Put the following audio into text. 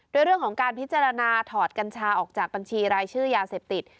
โดยเรื่องของการพิจารณาถอดกัญชาออกจากบัญชีรายชื่อยาเสพติด